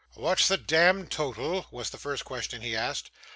'What's the demd total?' was the first question he asked.